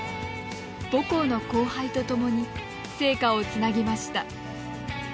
母校の後輩とともに聖火をつなぎました。